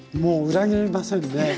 裏切りません？